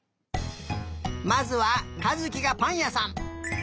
まずはかずきがぱんやさん。